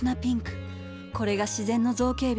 これが自然の造形美とは。